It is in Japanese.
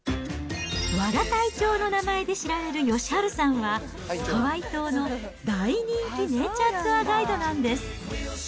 和田タイチョーの名前で知られる義治さんは、ハワイ島の大人気ネイチャーツアーガイドなんです。